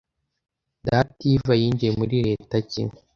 Dativa yinjiye muri leta ki